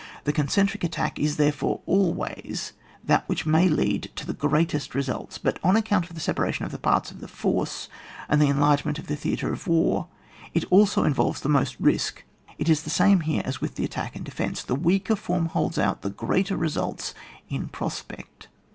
The concentric attack is, therefore, always that which may lead to the greatest results ; but on account of the separation of the parts of the force, and the enlargement of the theatre of war, it involves also the most risk; it is the same here as with attack and de fence, the weaker form holds out the greater resiilts in prospect.